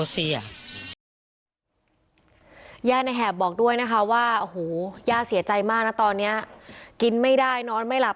ย่าในแหบบอกด้วยนะคะว่าโอ้โหย่าเสียใจมากนะตอนนี้กินไม่ได้นอนไม่หลับ